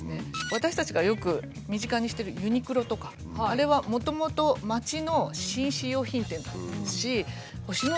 私たちがよく身近にしてるユニクロとかあれはもともと町の紳士用品店だったですし星野